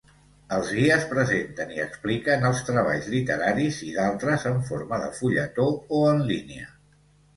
Els guies presenten i expliquen els treballs literaris i d'altres en forma de fulletó o en línia.